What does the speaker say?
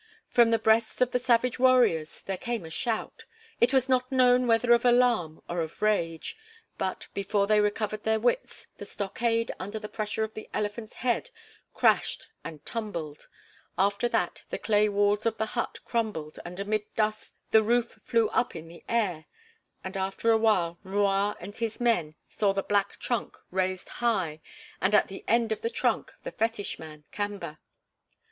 From the breasts of the savage warriors there came a shout it was not known whether of alarm or of rage, but, before they recovered their wits, the stockade under the pressure of the elephant's head crashed and tumbled; after that the clay walls of the hut crumbled and amid dust the roof flew up in the air; and after a while M'Rua and his men saw the black trunk raised high and at the end of the trunk the fetish man, Kamba.